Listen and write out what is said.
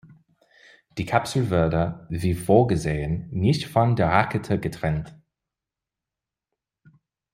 Die Kapsel wurde, wie vorgesehen, nicht von der Rakete getrennt.